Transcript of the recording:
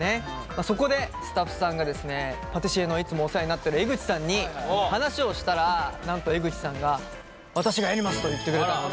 そこでスタッフさんがですねパティシエのいつもお世話になってる江口さんに話をしたらなんと江口さんが「私がやります」と言ってくれたので。